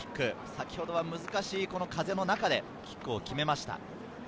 先ほどは難しい風の中でキックを決めました。